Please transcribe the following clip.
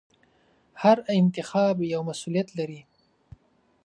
هر انتخاب یو مسوولیت لري.